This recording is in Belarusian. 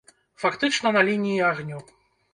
Фактычна, на лініі агню.